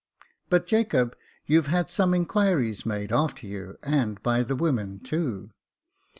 But Jacob, you've had some inquiries made after you, and by the women too."